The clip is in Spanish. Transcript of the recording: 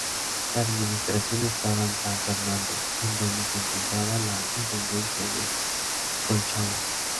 La administración estaba en San Fernando, en donde se encontraba la Intendencia de Colchagua.